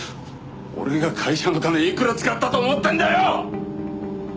俺が会社の金いくら使ったと思ってんだよ！